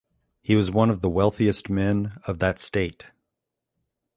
He was one of the wealthiest men of that state.